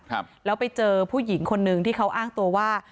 ครับแล้วไปเจอผู้หญิงคนนึงที่เขาอ้างตัวว่า